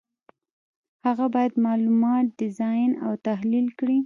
هغه باید معلومات ډیزاین او تحلیل کړي.